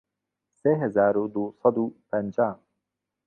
سێ هەزار و دوو سەد و پەنجا